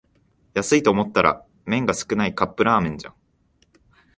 安いと思ったら麺が少ないカップラーメンじゃん